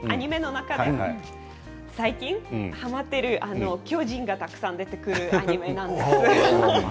最近はまってる巨人がたくさん出てくるアニメなんですね。